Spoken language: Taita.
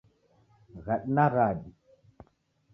Ghadi na ghadi